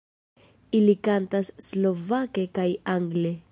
Ili kantas slovake kaj angle.